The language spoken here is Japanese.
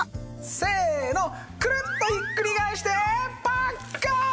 せのクルッとひっくり返してパッカーン！